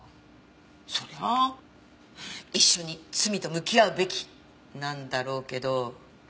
そりゃあ一緒に罪と向き合うべきなんだろうけど。